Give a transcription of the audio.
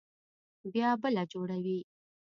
بيا بله جوړوي.